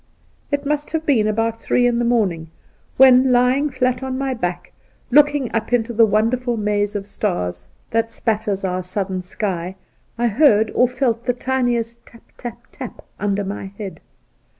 It must have been about three in the morning when, lying flat on my back, looking up into the wonderful maze of stars that spatters our southern sky, I heard or felt the tiniest tap, tap, tap under my head.